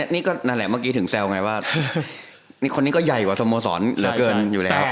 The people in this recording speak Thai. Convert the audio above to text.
นี่ก็นั่นแหละเมื่อกี้ถึงแซวไงว่านี่คนนี้ก็ใหญ่กว่าสโมสรเหลือเกินอยู่แล้ว